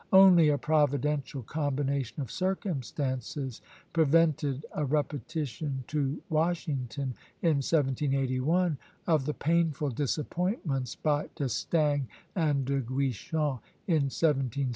Only a providential combination of circumstances prevented a repetition to Washington, in 1781, of the painful disappointments by D'Estaing and De Guichen in 1778 and 1780.